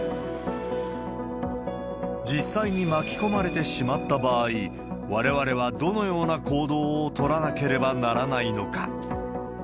実際に巻き込まれてしまった場合、われわれはどのような行動を取らなければならないのか。